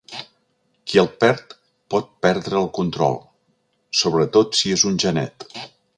Qui el perd pot perdre el control, sobretot si és un genet.